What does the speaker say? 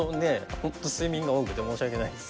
本当睡眠が多くて申し訳ないです。